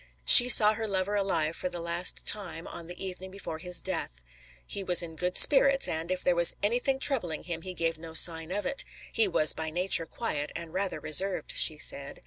"She saw her lover, alive, for the last time on the evening before his death. He was in good spirits, and if there was anything troubling him he gave no sign of it. He was by nature quiet and rather reserved," she said.